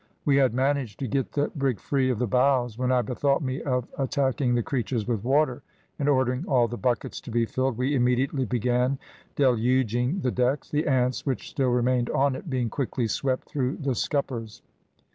We had managed to get the brig free of the boughs, when I bethought me of attacking the creatures with water, and ordering all the buckets to be filled, we immediately began deluging the decks, the ants which still remained on it being quickly swept through the scuppers.